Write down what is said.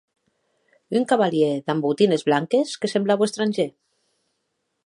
Un cavalièr damb botines blanques que semblaue estrangèr.